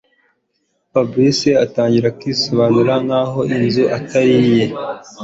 Fabric atangira kwisobanura nkaho inzu atariye